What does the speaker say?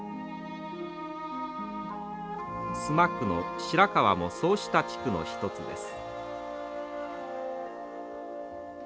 須磨区の白川もそうした地区の一つです。